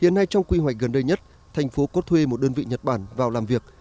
hiện nay trong quy hoạch gần đây nhất thành phố có thuê một đơn vị nhật bản vào làm việc